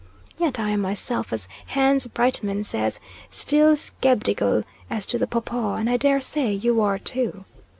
Yet I am myself, as Hans Breitmann says, "still skebdigal" as to the papaw, and I dare say you are too.